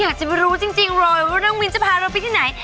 อยากจะรู้จริงเลยว่าน้องวินจะพาเราไปที่ไหน